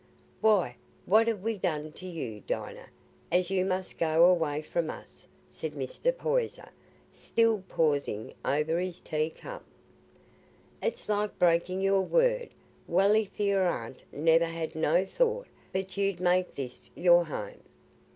"Why, what have we done to you. Dinah, as you must go away from us?" said Mr. Poyser, still pausing over his tea cup. "It's like breaking your word, welly, for your aunt never had no thought but you'd make this your home."